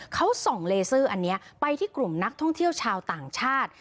เขาส่องเลเซอร์อันนี้ไปที่กลุ่มนักท่องเที่ยวชาวต่างชาติ